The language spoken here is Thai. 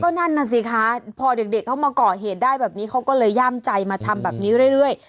นั่นน่ะสิคะพอเด็กเขามาก่อเหตุได้แบบนี้เขาก็เลยย่ามใจมาทำแบบนี้เรื่อย